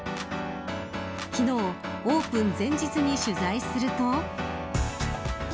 昨日オープン前日に取材すると。